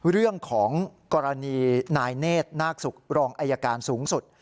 เรื่องของกรณีนายเนธนาคศุกร์รองอายการสูงสุด